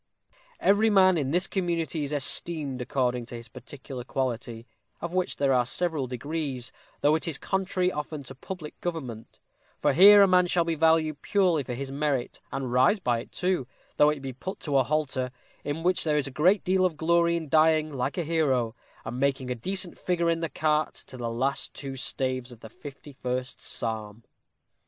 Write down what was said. Every man in this community is esteemed according to his particular quality, of which there are several degrees, though it is contrary often to public government; for here a man shall be valued purely for his merit, and rise by it too, though it be but to a halter, in which there is a great deal of glory in dying like a hero, and making a decent figure in the cart to the last two staves of the fifty first psalm."